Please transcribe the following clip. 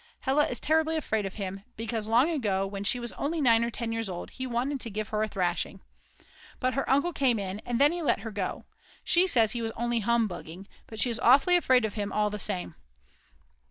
Hella is terribly afraid of him, because long ago, when she was only 9 or 10 years old, he wanted to give her a thrashing. But her uncle came in, and then he let her go. She says he was only humbugging, but she is awfully afraid of him all the same.